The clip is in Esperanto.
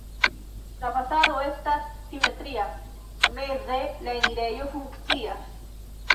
La fasado estas simetria, meze la enirejo funkcias.